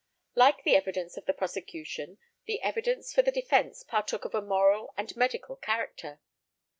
Like the evidence of the prosecution, the evidence for the defence partook of a moral and medical character.